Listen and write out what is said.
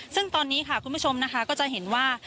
ซึ่งตอนนี้ค่ะคุณผู้ชมนะคะก็จะเห็นว่า